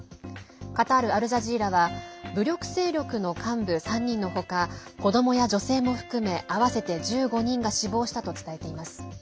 カタール・アルジャジーラは武装勢力の幹部３人の他子どもや女性も含め合わせて１５人が死亡したと伝えています。